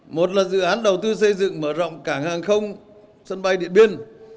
một là dự án đầu tư xây dựng mở rộng cảng hàng không sân bay điện biên